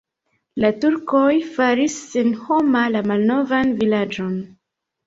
La turkoj faris senhoma la malnovan vilaĝon.